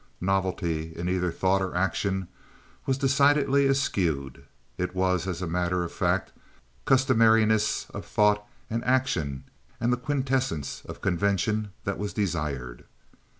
Novelty in either thought or action was decidedly eschewed. It was, as a matter of fact, customariness of thought and action and the quintessence of convention that was desired.